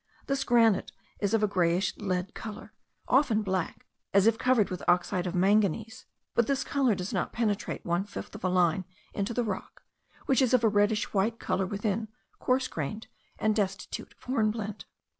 This granite is of a greyish lead colour, often black, as if covered with oxide of manganese; but this colour does not penetrate one fifth of a line into the rock, which is of a reddish white colour within, coarse grained, and destitute of hornblende.